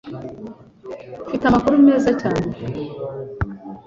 Mfite amakuru meza cyane